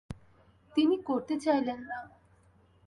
তিনি করতে চাইলেন না।